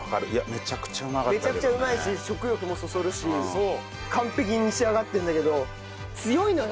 めちゃくちゃうまいし食欲もそそるし完璧に仕上がってるんだけど強いのよ。